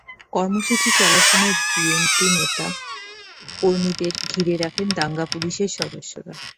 কর্মসূচি চলার সময় বিএনপি নেতা কর্মীদের ঘিরে রাখেন দাঙ্গা পুলিশের সদস্যরা।